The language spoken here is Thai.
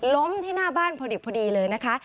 ล้มที่หน้าบ้านพอดีเลยนะคะ